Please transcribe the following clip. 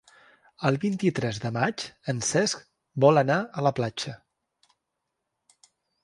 El vint-i-tres de maig en Cesc vol anar a la platja.